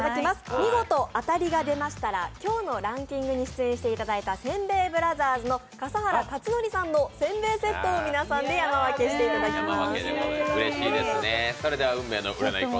見事当たりが出ましたら今日のランキングに出演していただいたセンベイブラザーズの笠原健徳さんのせんべいセットを皆さんで山分けしていただきます。